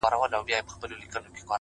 • پېړۍ په ویښه د کوډګرو غومبر وزنګول,